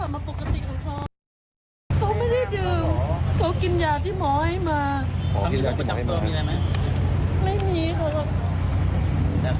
มันมีมอเตอร์ไซต์แซงขึ้นมาเขาหักหลบมอเตอร์ไซต์